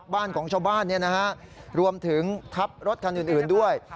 บ้านของชาวบ้านรวมถึงทับรถคันอื่นด้วย